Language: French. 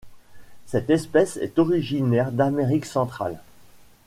Cette espèce est originaire d'Amérique centrale.